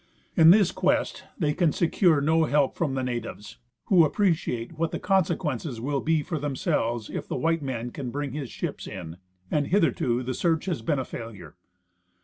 In this quest they can secure no help from the natives, who appreciate what the consequences will be for themselves if the white man can bring his ships in, and hitherto the search has been a failure.